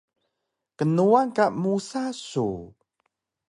Knuwan ka musa su?